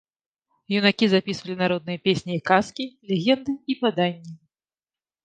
Юнакі запісвалі народныя песні і казкі, легенды і паданні.